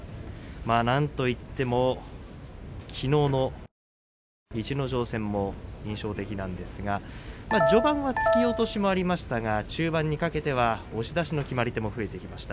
なんといっても、きのうの逸ノ城戦も印象的なんですが序盤は突き落としもありましたが中盤にかけては押し出しの決まり手も増えてきました。